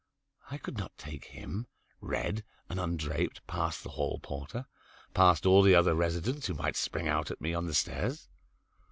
I could not take him, red and undraped, past the hall porter, past all the other residents who might spring out at me on the stairs.